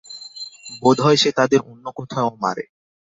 বোধহয় সে তাদের অন্য কোথাও মারে।